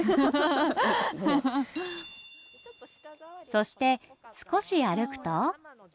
そして少し歩くと。